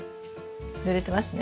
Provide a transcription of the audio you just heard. ぬれてますね。